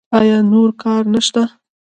ایا نور کار نشته؟